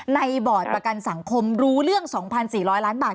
บอร์ดประกันสังคมรู้เรื่อง๒๔๐๐ล้านบาท